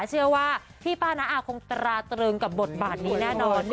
เชื่อว่าพี่ป้าน้าอาคงตราตรึงกับบทบาทนี้แน่นอน